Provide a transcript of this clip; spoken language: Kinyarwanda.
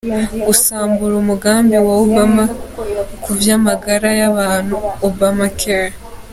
Gusambura umugambi wa Obama ku vy'amagara y'abantu "Obamacare".